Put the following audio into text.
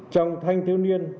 trong thanh thiếu niên